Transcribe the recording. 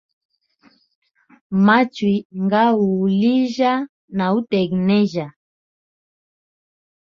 Machui nga u uhulijya na utenejya.